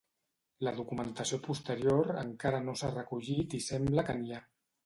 La documentació posterior encara no s'ha recollit i sembla que n'hi ha.